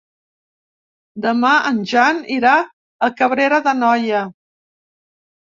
Demà en Jan irà a Cabrera d'Anoia.